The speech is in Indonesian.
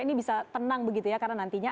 ini bisa tenang begitu ya karena nantinya